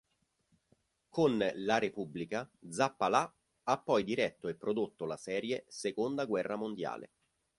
Con La Repubblica Zappalà ha poi diretto e prodotto la serie Seconda Guerra Mondiale.